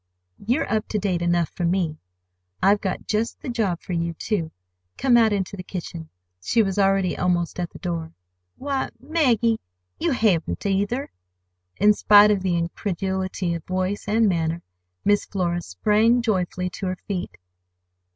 "You're up to date enough for me. I've got just the job for you, too. Come out into the kitchen." She was already almost at the door. "Why, Maggie, you haven't, either!" (In spite of the incredulity of voice and manner, Miss Flora sprang joyfully to her feet.)